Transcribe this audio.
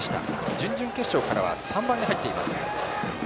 準々決勝からは３番に入っています。